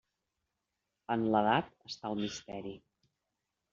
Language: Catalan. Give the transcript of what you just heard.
En l'edat està el misteri.